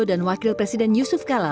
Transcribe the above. dan wakil presiden yusuf kala